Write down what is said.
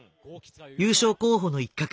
優勝候補の一角